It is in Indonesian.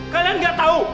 kalian gak tau